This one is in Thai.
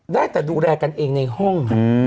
ได้แต่ดูแลกันเองในห้อง